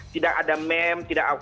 tidak ada mem tidak apa apa